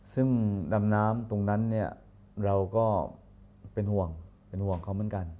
ซึ่งดำน้ำตรงนั้นเราก็เป็นห่วงเขาเหมือนกัน